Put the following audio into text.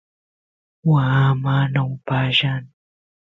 waa mana upallan